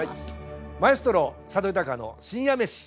「マエストロ佐渡裕の深夜メシ」